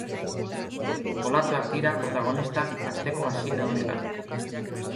Olatuak dira protagonistak asteko hasiera honetan.